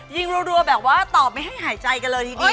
รัวแบบว่าตอบไม่ให้หายใจกันเลยทีเดียว